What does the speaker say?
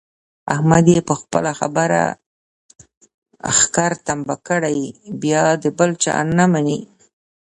احمد چې په خپله خبره ښکر تمبه کړي بیا د بل چا نه مني.